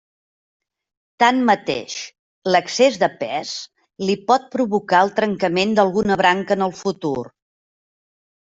Tanmateix, l'excés de pes li pot provocar el trencament d'alguna branca en el futur.